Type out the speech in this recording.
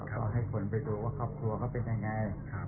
ก็ให้คนไปดูว่าครอบครัวเขาเป็นยังไง